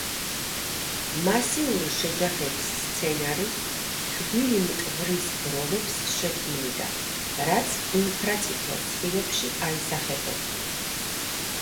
მასიური შეჯახების სცენარი თბილი მტვრის გროვებს შექმნიდა, რაც ინფრაწითელ სხივებში აისახებოდა.